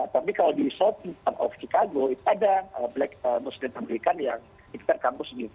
tapi kalau di south of chicago itu ada muslim tamrikan yang di sekitar kampus ini